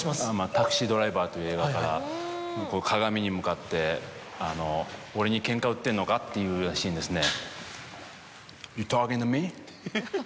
『タクシードライバー』という映画から鏡に向かって「俺にケンカ売ってんのか？」っていうシーンですね。